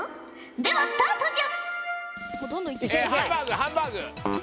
ではスタートじゃ！